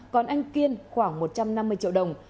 còn anh kiên khoảng một trăm năm mươi triệu đồng